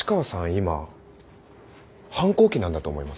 今反抗期なんだと思います。